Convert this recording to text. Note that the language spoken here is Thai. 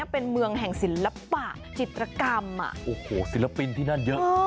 เป็นเมืองแห่งศิลปะจิตรกรรมโอ้โหศิลปินที่นั่นเยอะ